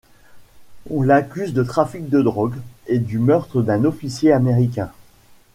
On l’accuse de trafic de drogue et du meurtre d’un officier américain.